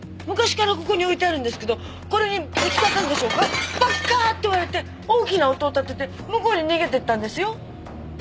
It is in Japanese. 昔からここに置いてあるんですけどこれにぶつかったんでしょうかパッカー！って割れて大きな音を立てて向こうに逃げていったんですよ。